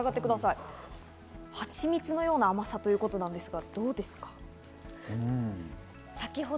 はちみつのような甘さだということですが、どうですか？